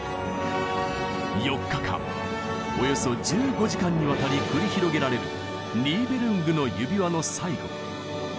４日間およそ１５時間にわたり繰り広げられる「ニーべルングの指環」の最後。